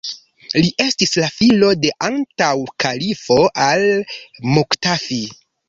Li estis la filo de antaŭa kalifo al-Muktafi.